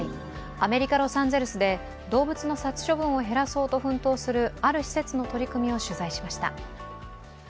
アメリカ・ロサンゼルスで動物の殺処分を減らそうと奮闘するある施設の取り組みを取材しました。